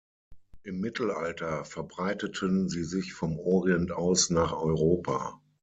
Im Mittelalter verbreiteten sie sich vom Orient aus nach Europa.